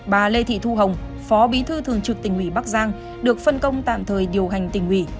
bà lê thị thu hồng phó bí thư thường trực tỉnh ủy bắc giang được phân công tạm thời điều hành tỉnh ủy